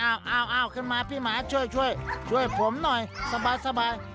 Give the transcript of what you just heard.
อ้าวขึ้นมาพี่หมาช่วยช่วยผมหน่อยสบาย